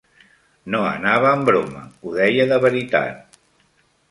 No anava en broma; ho deia de veritat.